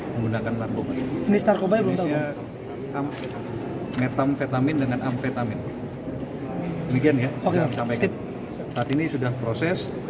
menggunakan narkoba narkoba metamfetamin dengan amfetamin begini ya sampai saat ini sudah proses